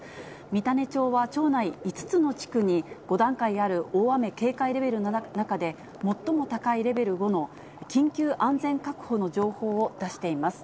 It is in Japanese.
三種町は町内５つの地区に、５段階ある大雨警戒レベルの中で、最も高いレベル５の緊急安全確保の情報を出しています。